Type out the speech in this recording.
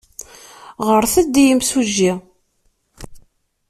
Ɣret-d i yimsujji.